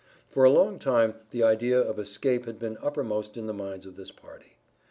For a long time the idea of escape had been uppermost in the minds of this party.